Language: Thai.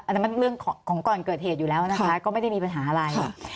อันนั้นมันเรื่องของก่อนเกิดเหตุอยู่แล้วนะคะก็ไม่ได้มีปัญหาอะไร